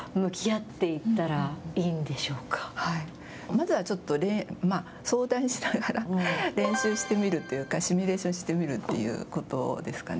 まずはちょっと相談しながら練習してみるっていうか、シミュレーションしてみるっていうことですかね。